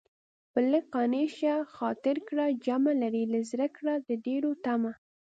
په لږ قانع شه خاطر کړه جمع لرې له زړه کړه د ډېرو طمع